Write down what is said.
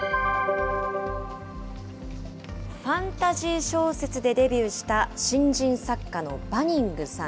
ファンタジー小説でデビューした、新人作家のバニングさん。